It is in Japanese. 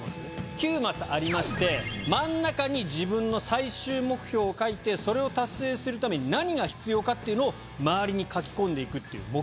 ９マスありまして真ん中に自分の最終目標を書いてそれを達成するために何が必要かっていうのを周りに書き込んでいくっていう目標シート。